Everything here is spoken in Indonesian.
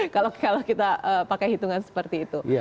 kalau kita pakai hitungan seperti itu